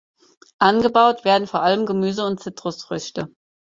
Angebaut werden vor allem Gemüse und Zitrusfrüchte.